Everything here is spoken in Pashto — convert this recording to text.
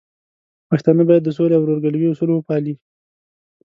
پښتانه بايد د سولې او ورورګلوي اصول وپالي.